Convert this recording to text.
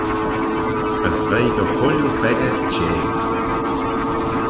As veih dy chooilley pheccah çhea.